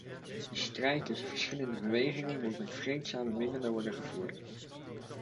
De strijd tussen verschillende bewegingen moet met vreedzame middelen worden gevoerd.